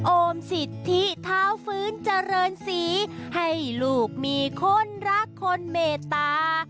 โอมสิทธิเท้าฟื้นเจริญศรีให้ลูกมีคนรักคนเมตตา